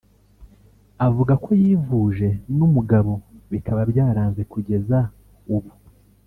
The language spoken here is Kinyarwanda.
Avuga ko yivuje n’umugabo bikaba byaranze kugeza ubu